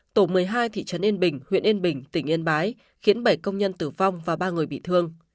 tổ một mươi hai thị trấn yên bình huyện yên bình tỉnh yên bái khiến bảy công nhân tử vong và ba người bị thương